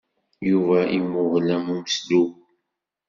Yuba imuhel am umeslub.